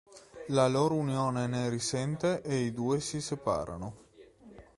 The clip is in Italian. La loro unione ne risente e i due si separano.